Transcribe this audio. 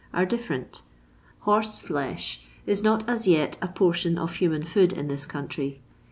are different Horse flesh is not — as yet — a portion of human food in this country.